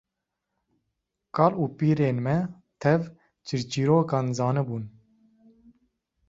Kal û pîrên me tev çîrçîrokan zanibûn